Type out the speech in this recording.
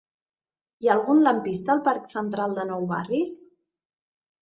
Hi ha algun lampista al parc Central de Nou Barris?